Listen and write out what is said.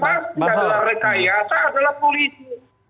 pasti adalah rekayasa adalah polisi